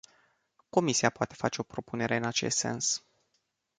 Comisia poate face o propunere în acest sens.